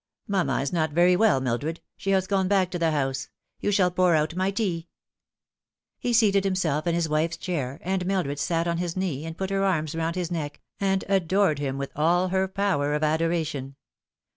"Mamma is not very well, Mil dred ; she has gone back to the house. You shall pour out my tea." lie seated himself in his wife's chair, and Mildred sat on his knee, and put her arms round his neck, and adored him with all her power of adoration.